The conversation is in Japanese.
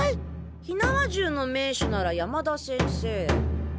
火縄銃の名手なら山田先生？